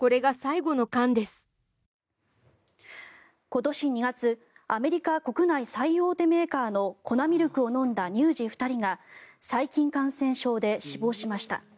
今年２月アメリカ国内最大手メーカーの粉ミルクを飲んだ乳児２人が細菌感染症で死亡しました。